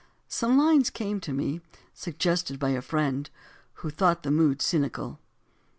Some lines came to me, suggested by a friend who thought the mood cynical.